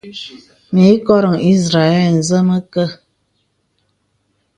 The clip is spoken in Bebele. Mì kɔrə̄ ìzrəɛl zə məkə.